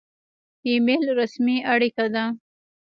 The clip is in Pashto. ایمیل رسمي اړیکه ده